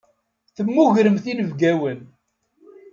Temmugremt inebgiwen.